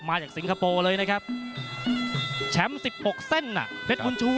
มาจากสิงคโปร์เลยนะครับแชมป์สิบปกเส้นน่ะเพชรบุญชูอ่ะเออ